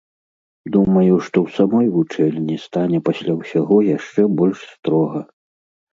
Думаю, што ў самой вучэльні стане пасля ўсяго яшчэ больш строга.